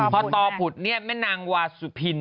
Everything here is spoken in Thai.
พอต่อผุดเนี่ยแม่นางวาสุพิน